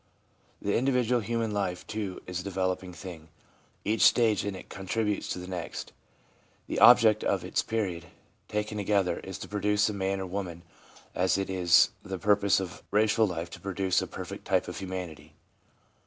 The individual human life, too, is a developing thing. Each stage in it contributes to the next. The object of all its periods, taken to gether, is to produce a man or woman, as it is the purpose of racial life to produce a perfect type of humanity.